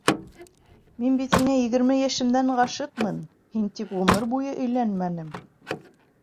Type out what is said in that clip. Мин бит һиңә егерме йәшемдән ғашиҡмын, һин тип ғүмер буйы өйләнмәнем.